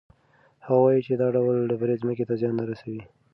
هغه وایي چې دا ډول ډبرې ځمکې ته زیان نه رسوي.